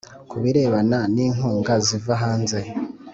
ku birebana n'inkunga ziva hanze,